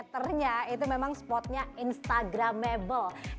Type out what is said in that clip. setiap meternya itu memang spotnya instagramable